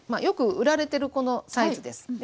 よく売られてるこのサイズです。